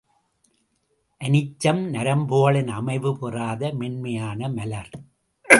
அனிச்சம் நரம்புகளின் அமைவு பெறாத மென்மையான மலர்.